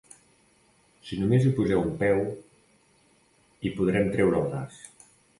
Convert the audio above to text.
Si només hi poseu un peu, hi podrem treure el nas.